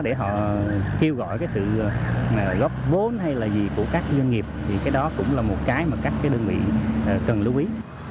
để họ kêu gọi cái sự góp vốn hay là gì của các doanh nghiệp thì cái đó cũng là một cái mà các đơn vị cần lưu ý